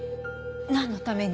なんのために？